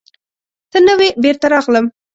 ته نه وې، بېرته راغلم.